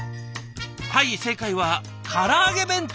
はい正解はから揚げ弁当！